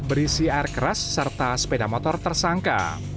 berisi air keras serta sepeda motor tersangka